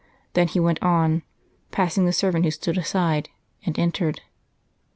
Then he went on, passing the servant who stood aside, and entered.